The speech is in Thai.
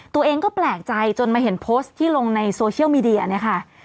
ตัวเองก็แปลกใจจนมาเห็นโพสต์ที่ลงในโซเชียลมีเดียเนี่ยค่ะ